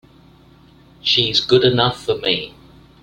She's good enough for me!